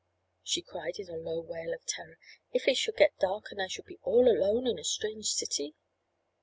she cried in a low wail of terror. "If it should get dark and I should be all alone in a strange city!"